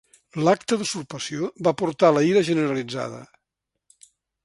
L'acte d'usurpació va portar la ira generalitzada.